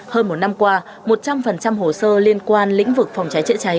hơn một năm qua một trăm linh hồ sơ liên quan lĩnh vực phòng trái trễ trái